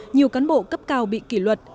nhiều cán bộ cấp cao bị kỷ luật